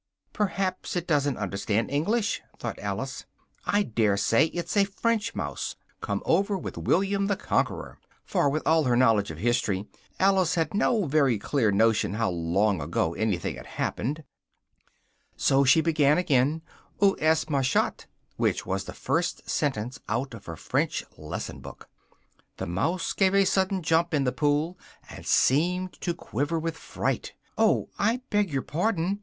"Perhaps it doesn't understand English," thought Alice; "I daresay it's a French mouse, come over with William the Conqueror!" (for, with all her knowledge of history, Alice had no very clear notion how long ago anything had happened,) so she began again: "où est ma chatte?" which was the first sentence out of her French lesson book. The mouse gave a sudden jump in the pool, and seemed to quiver with fright: "oh, I beg your pardon!"